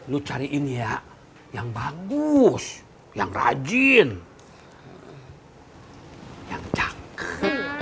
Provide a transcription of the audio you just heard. lu cari ini ya yang bagus yang rajin yang cakep